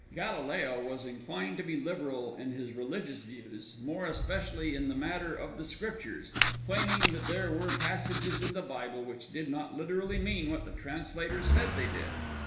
Galileo was inclined to be liberal in his religious views, more especially in the matter of the Scriptures, claiming that there were passages in the Bible which did not literally mean what the translator said they did.